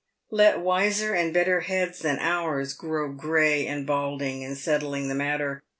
Let wiser and better heads than ours grow grey and bald in settling the matter.